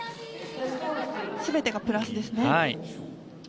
全てがプラスですね。